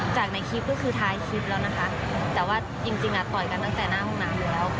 จากในคลิปก็คือท้ายคลิปแล้วนะคะแต่ว่าจริงจริงอ่ะต่อยกันตั้งแต่หน้าห้องน้ำแล้ว